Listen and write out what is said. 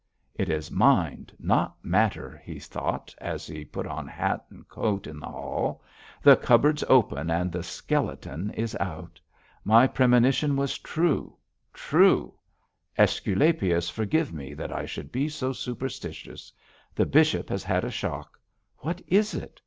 'It is mind, not matter,' he thought, as he put on hat and coat in the hall; 'the cupboard's open and the skeleton is out. My premonition was true true. Æsculapius forgive me that I should be so superstitious. The bishop has had a shock. What is it?